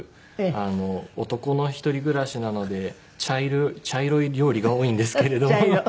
あの男の一人暮らしなので茶色い料理が多いんですけれども。